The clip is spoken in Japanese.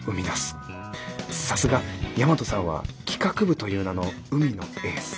さすが大和さんは企画部という名の海のエース。